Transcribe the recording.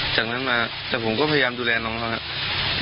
จากนั้นมาแต่ผมก็พยายามดูแลน้องเขาครับ